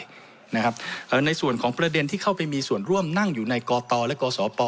ในส่วนของประเด็นที่เข้าไปมีส่วนร่วมนั่งอยู่ในกตและกศป